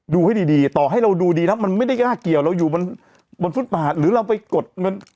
ดูให้ดีดีต่อให้ดูดีน่ะมันไม่ได้รากเกี่ยวเราอยู่บนบนฟุดผ่านหรือเราไปกดมัน